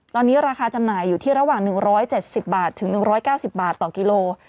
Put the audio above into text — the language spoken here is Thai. ตอนนี้ราคาจำหน่ายอยู่ที่ระหว่าง๑๗๐บาทถึง๑๙๐บาทต่อกิโล